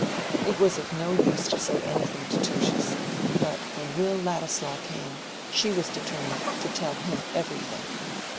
It was of no use to say anything to Tertius; but when Will Ladislaw came, she was determined to tell him everything.